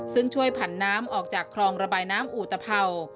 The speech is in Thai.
ซึ่งช่วยผันน้ำออกจากคลองระบายน้ำอุตภัว